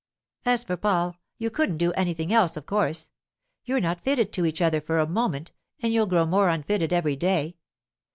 'As for Paul, you couldn't do anything else, of course. You're not fitted to each other for a moment, and you'll grow more unfitted every day.